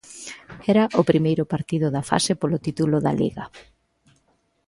Era o primeiro partido da fase polo titulo de Liga.